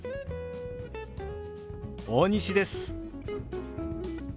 大西です。